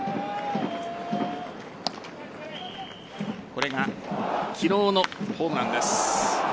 これが昨日のホームランです。